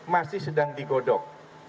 masih sedang digodok